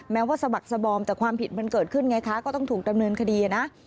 ว่าสะบักสบอมแต่ความผิดมันเกิดขึ้นไงคะก็ต้องถูกดำเนินคดีนะ